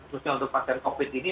khususnya untuk pasien covid ini